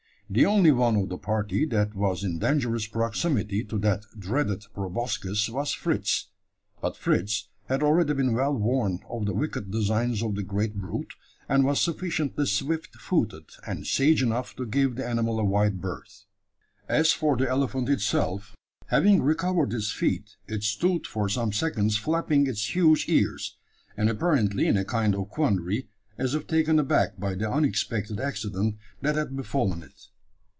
The only one of the party that was in dangerous proximity to that dreaded proboscis was Fritz; but Fritz had already been well warned of the wicked designs of the great brute, and was sufficiently swift footed and sage enough to give the animal a wide berth. As for the elephant itself, having recovered its feet, it stood for some seconds flapping its huge ears, and apparently in a kind of quandary as if taken aback by the unexpected accident that had befallen it.